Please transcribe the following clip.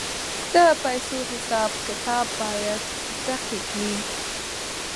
د پیسو حساب کتاب باید دقیق وي.